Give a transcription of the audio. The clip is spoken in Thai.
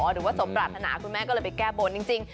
หรือว่าสมปรารถนาคุณแม่ก็เลยไปแก้บนจริง